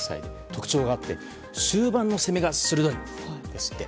特徴があって終盤の攻めが鋭いんですって。